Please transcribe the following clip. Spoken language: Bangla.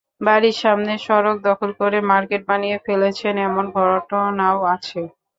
বাড়ির সামনের সড়ক দখল করে মার্কেট বানিয়ে ফেলেছেন এমন ঘটনাও আছে।